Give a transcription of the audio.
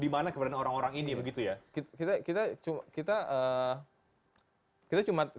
dimana keberanian orang orang ini begitu ya